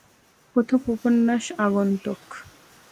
প্রথম উপন্যাস আগন্তুক।